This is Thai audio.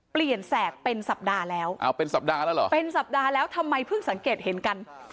แสกเป็นสัปดาห์แล้วเอาเป็นสัปดาห์แล้วเหรอเป็นสัปดาห์แล้วทำไมเพิ่งสังเกตเห็นกัน